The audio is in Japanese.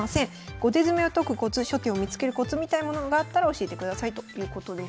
５手詰めを解くコツ初手を見つけるコツみたいなものがあったら教えてください」ということです。